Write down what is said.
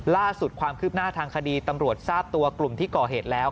ล่าสุดความคืบหน้าทางคดีตำรวจทราบตัวกลุ่มที่ก่อเหตุแล้ว